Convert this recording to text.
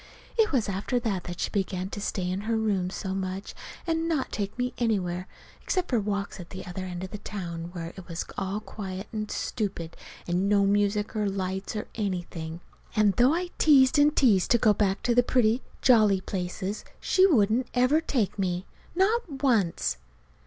It was after that that she began to stay in her room so much, and not take me anywhere except for walks at the other end of the town where it was all quiet and stupid, and no music or lights, or anything. And though I teased and teased to go back to the pretty, jolly places, she wouldn't ever take me; not once.